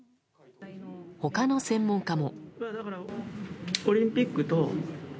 他の専門家も。